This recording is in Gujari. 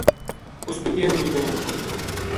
اُس پِتیا نے بھی منا دھوکو دِتو